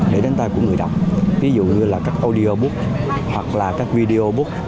để đến tay của người đọc ví dụ như là các audiobook hoặc là các video book